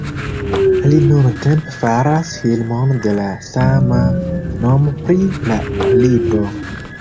Li nuntempe faras filmon de la sama nomo pri la libro.